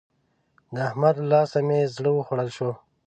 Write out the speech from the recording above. د احمد له لاسه مې زړه وخوړل شو.